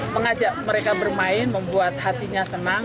mengajak mereka bermain membuat hatinya senang